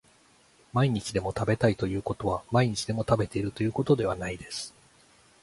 毎日でも食べたいということは毎日でも食べているということではないです